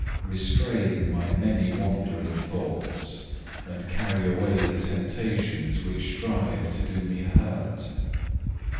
Restrain my many wandering thoughts, and carry away the temptations which strive to do me hurt.